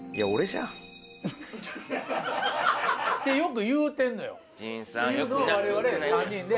よく言うてんのよ。